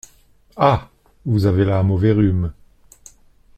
Ah ! vous avez là un mauvais rhume.